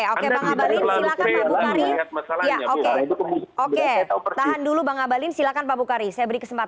oke tahan dulu bang abalin silahkan pak bukhari saya beri kesempatan